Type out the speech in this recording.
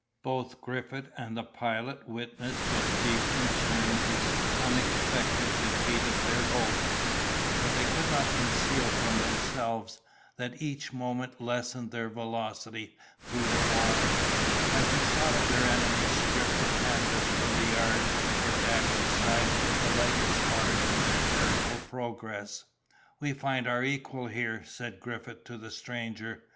Both Griffith and the Pilot witnessed with deep concern this unexpected defeat of their hopes; for they could not conceal from themselves, that each moment lessened their velocity through the water, as the shot of their enemy stripped the canvas from the yards, or dashed aside the lighter spars in their terrible progress. "We find our equal here!" said Griffith to the stranger.